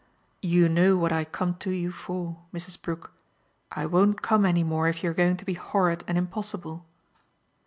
"You know what I come to you for, Mrs. Brook: I won't come any more if you're going to be horrid and impossible."